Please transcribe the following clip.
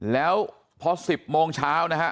แล้วพอ๑๐โมงเช้านะฮะ